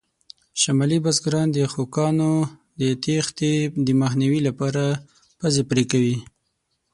شمالي بزګران د خوکانو د تېښتې د مخنیوي لپاره پزې پرې کوي.